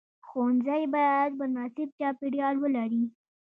ښوونځی باید مناسب چاپیریال ولري.